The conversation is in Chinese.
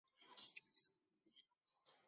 黄细心为紫茉莉科黄细心属下的一个种。